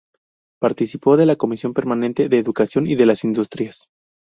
Participó de la comisión permanente de Educación y la de Industrias.